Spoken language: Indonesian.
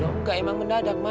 enggak emang mendadak ma